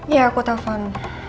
ya aku telfon